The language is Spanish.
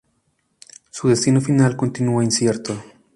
Su destino final continúa incierto.